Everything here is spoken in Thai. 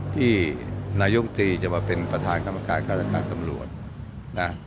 ที่นายกุฎีจะมาเป็นประธานคำลักษณ์ข้าระการตำรวจ